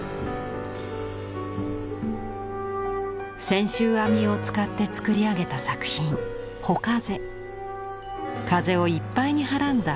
「千集編み」を使って作り上げた作品風をいっぱいにはらんだ